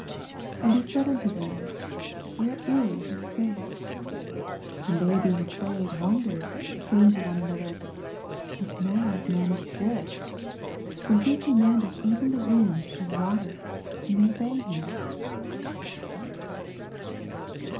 25 And he said unto them, Where is your fidth ? And they being afraid wondered, saying one to another. What manner of man is this I for he oommandeth even the winds and water, and they obey him.